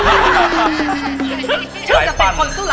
ไม่รู้